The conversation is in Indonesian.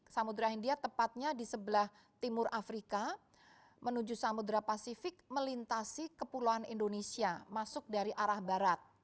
samudera india tepatnya di sebelah timur afrika menuju samudera pasifik melintasi kepulauan indonesia masuk dari arah barat